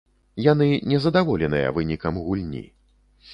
Яны незадаволеныя вынікам гульні.